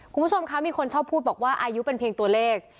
คุณผู้ชมคะมีคนชอบพูดบอกว่าอายุเป็นเพียงตัวเลข